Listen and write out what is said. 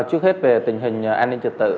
trước hết về tình hình an ninh trật tự